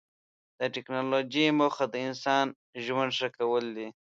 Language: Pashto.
د ټکنالوجۍ موخه د انسان ژوند ښه کول دي.